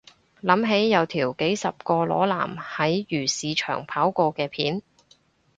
諗起有條幾十個裸男喺漁市場跑過嘅片